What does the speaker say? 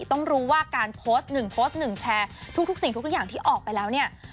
ต้องรู้ว่าการโพสต์๑โพสต์๑แชร์ทุกสิ่งทุกอย่างที่ออกไปแล้วเนี่ย